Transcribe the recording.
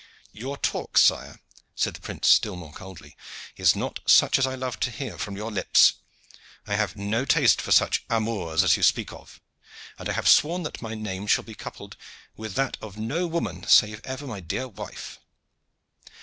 "Your talk, sire," said the prince still more coldly, "is not such as I love to hear from your lips. I have no taste for such amours as you speak of, and I have sworn that my name shall be coupled with that of no woman save my ever dear wife."